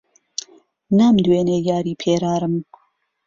نامدوێنێ یاری پێرارم